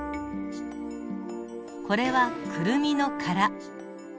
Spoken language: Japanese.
これはクルミの殻。